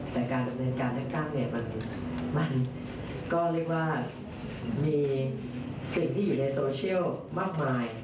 แต่การดำเนินการเลือกตั้งเนี่ยมันก็เรียกว่ามีสิ่งที่อยู่ในโซเชียลมากมาย